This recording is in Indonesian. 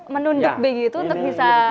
menunduk begitu untuk bisa